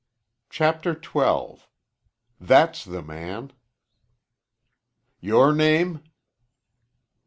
CHAPTER XII "THAT'S THE MAN" "Your name?"